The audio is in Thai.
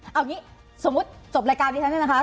เอาอย่างนี้สมมุติจบรายการที่เท่านั้นนะคะ